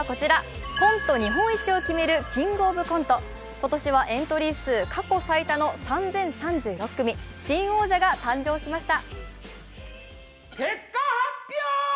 今年はエントリー数過去最多の３０３６組、新王者が誕生しました。